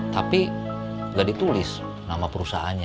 tapi tidak ditulis nama perusahaannya